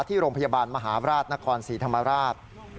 ที่โรงพยาบาลมหาราชนครศรีธรรมราช